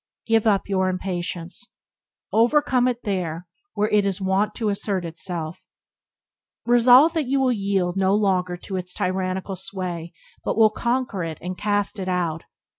Give up your impatience. Overcome it there where it is wont to assert itself. Resolve that you will yield no longer to its tyrannical sway but will conquer it and cast it out.